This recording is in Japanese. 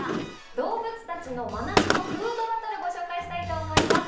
動物たちの真夏のフードバトルをご紹介したいと思います。